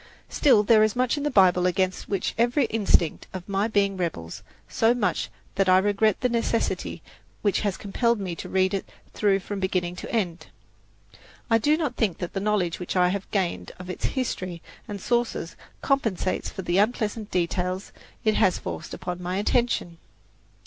Still there is much in the Bible against which every instinct of my being rebels, so much that I regret the necessity which has compelled me to read it through from beginning to end. I do not think that the knowledge which I have gained of its history and sources compensates me for the unpleasant details it has forced upon my attention.